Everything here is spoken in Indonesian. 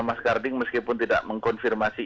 mas karding meskipun tidak mengkonfirmasi